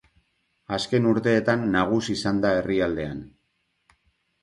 Azken urteetan nagusi izan da herrialdean.